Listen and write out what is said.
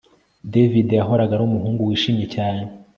David yahoraga ari umuhungu wishimye cyane